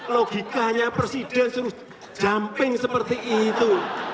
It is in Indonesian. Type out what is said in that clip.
logikanya presiden suruh jumping seperti itu